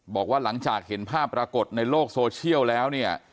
บอกว่าหลังจากเห็นภาพปรากฏในโลกโซเชียลแล้วเนี่ย